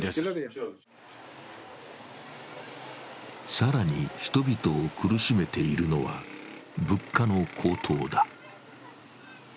更に人々を苦しめているのは、物価の高騰だ。